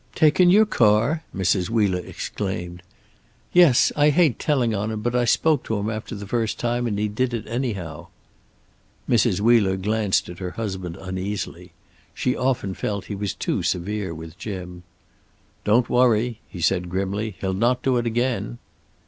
"Taken your car!" Mrs. Wheeler exclaimed. "Yes. I hate telling on him, but I spoke to him after the first time, and he did it anyhow." Mrs. Wheeler glanced at her husband uneasily. She often felt he was too severe with Jim. "Don't worry," he said grimly. "He'll not do it again."